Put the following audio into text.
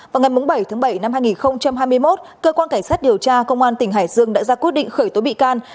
vào ngày bảy tháng bảy năm hai nghìn hai mươi một cơ quan cảnh sát điều tra công an tỉnh hải dương đã ra quyết định khởi tố bị can